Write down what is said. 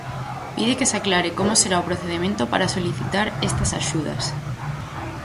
Pide que se aclare como será o procedemento para solicitar estas axudas.